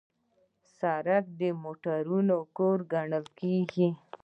سړک د موټرونو کور ګڼل کېږي.